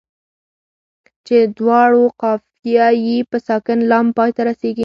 چې دواړو قافیه یې په ساکن لام پای ته رسيږي.